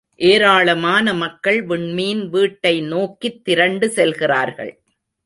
ஏராளமான மக்கள் விண்மீன் வீட்டைநோக்கித் திரண்டு செல்கிறார்கள்.